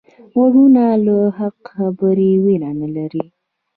غوږونه له حق خبرې ویره نه لري